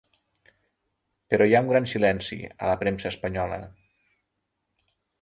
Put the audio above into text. Però hi ha un gran silenci a la premsa espanyola.